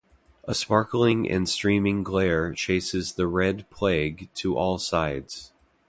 A sparkling and streaming glare chases the red plague to all sides.